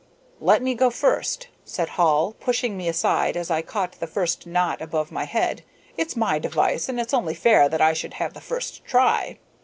"Let me go first," said Hall, pushing me aside as I caught the first knot above my head. "It's my device, and it's only fair that I should have the first try."